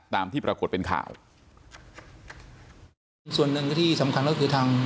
ตามที่ปรากฏเป็นข่าวส่วนหนึ่งที่สำคัญก็คือทาง